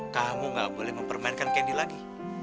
kamu gak boleh mempermainkan kendi lagi